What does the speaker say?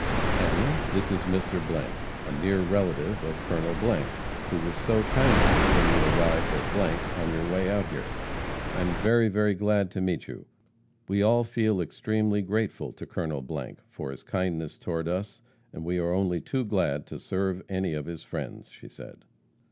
Annie, this is Mr. , a near relative of Colonel , who was so kind to you when you arrived at , on your way out here.' 'I am very, very glad to meet you. We all feel extremely grateful to Col. , for his kindness toward us, and we are only too glad to serve any of his friends,' she said.